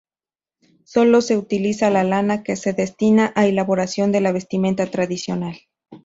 Sólo se utiliza la lana, que se destina a elaboración de la vestimenta tradicional.